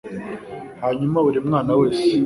Hanyuma buri mwana wese